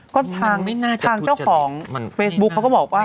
ก็ทางเจ้าของเฟซบุ๊กเขาก็บอกว่า